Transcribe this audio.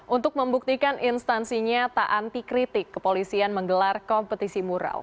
untuk membuktikan instansinya tak anti kritik kepolisian menggelar kompetisi mural